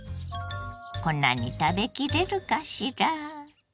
こんなに食べきれるかしら？